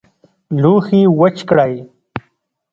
لوښي وچ کړئ